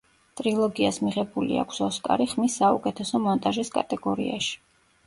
ტრილოგიას მიღებული აქვს ოსკარი ხმის საუკეთესო მონტაჟის კატეგორიაში.